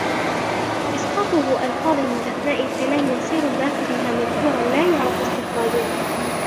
إسْقَاطُهُ أَلْفَاظٍ مِنْ أَثْنَاءِ الْكَلَامِ يَصِيرُ الْبَاقِي بِهَا مَبْتُورًا لَا يُعْرَفُ اسْتِخْرَاجُهُ